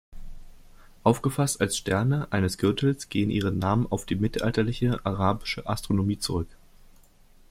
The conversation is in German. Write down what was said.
Aufgefasst als Sterne eines Gürtels gehen ihre Namen auf die mittelalterliche arabische Astronomie zurück.